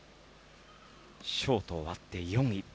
ショート終わって４位。